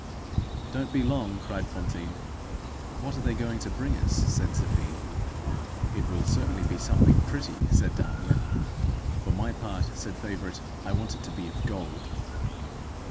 "Don't be long!" cried Fantine. "What are they going to bring us?" said Zéphine. "It will certainly be something pretty," said Dahlia. "For my part," said Favourite, "I want it to be of gold."